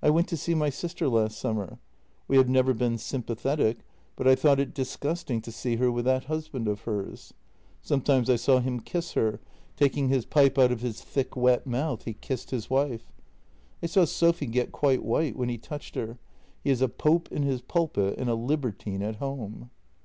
I went to see my sister last summer. We have never been sympathetic, but I thought it disgusting to see her with that husband of hers. Sometimes I saw him kiss her — taking his pipe out of his thick wet mouth, he kissed his wife. I saw Sophy get quite white when he touched her He is a pope in his pulpit and a libertine at home.